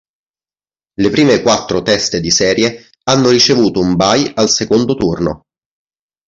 Le prime quattro teste di serie hanno ricevuto un bye al secondo turno.